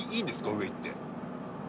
上行って。